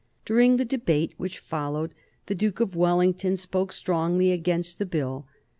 During the debate which followed, the Duke of Wellington spoke strongly against the Bill.